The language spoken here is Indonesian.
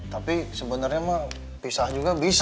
tapi sebenarnya mah pisah juga bisa